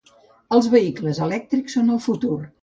Els vehicles elèctrics són el futur.